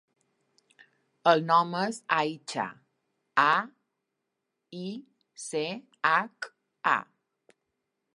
El nom és Aicha: a, i, ce, hac, a.